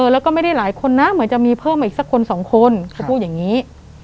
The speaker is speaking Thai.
แล้วก็ไม่ได้หลายคนนะเหมือนจะมีเพิ่มมาอีกสักคนสองคนเขาพูดอย่างนี้